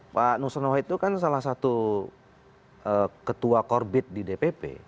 pak nusron wahid itu kan salah satu ketua korbit di dpp